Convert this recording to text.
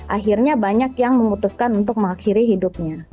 akhirnya banyak yang memutuskan untuk mengakhiri hidupnya